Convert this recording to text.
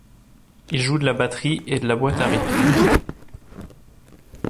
Il joue de la batterie et de la boîte à rythmes.